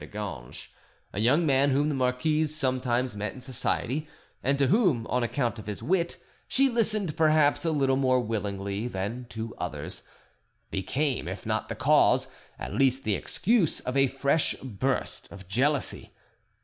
de Ganges. A young man whom the marquise sometimes met in society, and to whom, on account of his wit, she listened perhaps a little more willingly than to others, became, if not the cause, at least the excuse of a fresh burst of jealousy.